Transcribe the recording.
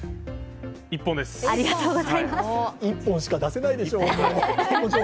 一本しか出せないでしょう。